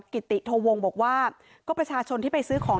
กิติโทวงบอกว่าก็ประชาชนที่ไปซื้อของ